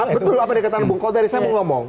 betul apa yang dikatakan bung koldari saya mau ngomong